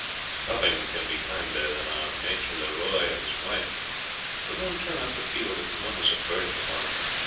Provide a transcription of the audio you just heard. "Nothing can be kinder than are Maître Leroux and his wife, but one cannot but feel that one is a burden upon them.